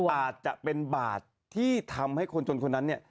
อาจจะเป็นบาทที่ทำให้คนจนคนนั้นเนี่ย